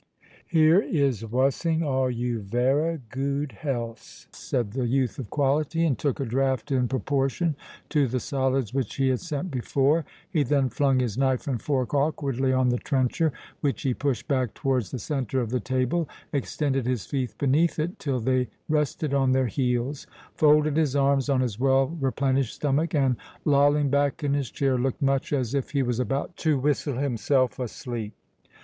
"Here is wussing all your vera gude healths!" said the youth of quality, and took a draught in proportion to the solids which he had sent before; he then flung his knife and fork awkwardly on the trencher, which he pushed back towards the centre of the table, extended his feet beneath it till they rested on their heels, folded his arms on his well replenished stomach, and, lolling back in his chair, looked much as if he was about to whistle himself asleep.